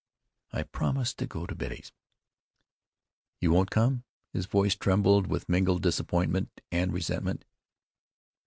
"I promised to go to Betty's." "You won't come?" His voice trembled with mingled disappointment and resentment.